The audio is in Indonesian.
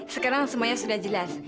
sekarang semuanya sudah jelas